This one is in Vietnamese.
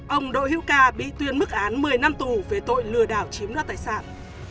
ông đỗ hữu ca bị tuyên mức án một mươi năm tù về tội lừa đảo chiếm đoạt tài sản